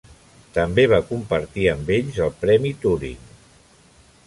També va compartir amb ells el Premi Turing.